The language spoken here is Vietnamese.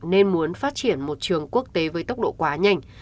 nên muốn phát triển một trường quốc tế với tốc độ quá nhanh